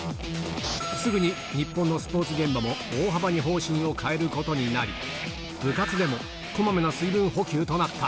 すぐに日本のスポーツ現場も大幅に方針を変えることになり、部活でも、こまめな水分補給となった。